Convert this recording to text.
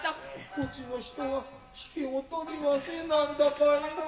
こちの人はひけをとりはせなんだかいのう。